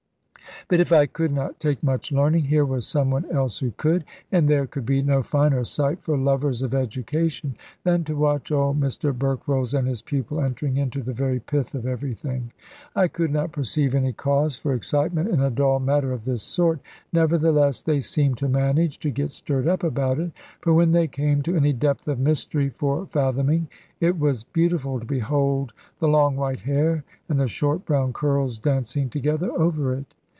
But if I could not take much learning, here was some one else who could; and there could be no finer sight for lovers of education than to watch old Mr Berkrolles and his pupil entering into the very pith of everything. I could not perceive any cause for excitement, in a dull matter of this sort; nevertheless they seemed to manage to get stirred up about it. For when they came to any depth of mystery for fathoming, it was beautiful to behold the long white hair and the short brown curls dancing together over it.